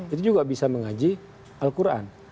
itu juga bisa mengaji al quran